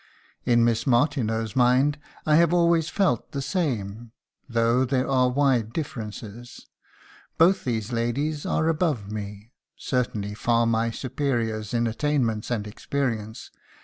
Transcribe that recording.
In Miss Martineau's mind I have always felt the same, though there are wide differences. Both these ladies are above me certainly far my superiors in attainments and experience.